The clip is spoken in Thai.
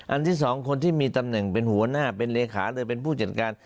ที่สองคนที่มีตำแหน่งเป็นหัวหน้าเป็นเลขาเลยเป็นผู้จัดการ